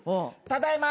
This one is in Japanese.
ただいま。